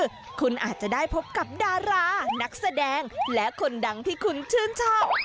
คือคุณอาจจะได้พบกับดารานักแสดงและคนดังที่คุณชื่นชอบ